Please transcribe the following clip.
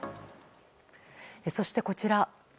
そして、こちら。